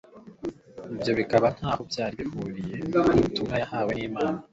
ibyo bikaba ntaho byari bihunye n'ubutuuma yahawe n'Imana.